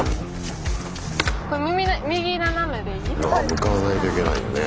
向かわないといけないよね